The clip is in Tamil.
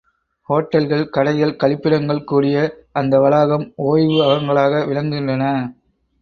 ஹோட்டல்கள், கடைகள், கழிப்பிடங்கள் கூடிய அந்த வளாகம் ஓய்வு அகங்களாக விளங்குகின்றன.